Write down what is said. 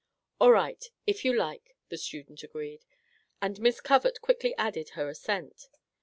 " All right, if you like^ the student agreed, and Miss Covert quickly added her assent.